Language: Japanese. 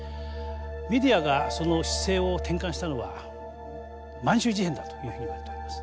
メディアがその姿勢を転換したのは満州事変だというふうにいわれております。